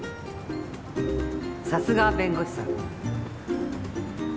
さすがは弁護士さんね。